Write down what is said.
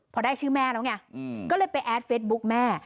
พอได้ชื่อแม่แล้วไงก็เลยไปแอดเฟสบุ๊กแม่